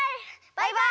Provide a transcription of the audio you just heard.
バイバイ！